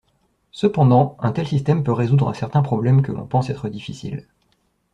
Cependant, un tel système peut résoudre certains problèmes que l’on pense être difficiles.